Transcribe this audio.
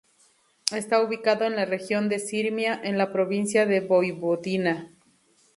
Está ubicado en la región de Sirmia, en la provincia de Voivodina.